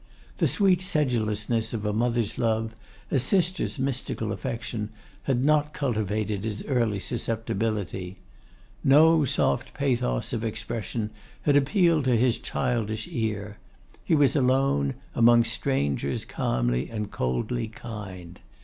The sweet sedulousness of a mother's love, a sister's mystical affection, had not cultivated his early susceptibility. No soft pathos of expression had appealed to his childish ear. He was alone, among strangers calmly and coldly kind.